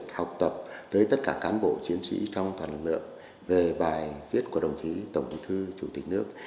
học tập tới tất cả cán bộ chiến sĩ trong toàn lực lượng về bài viết của đồng chí tổng bí thư chủ tịch nước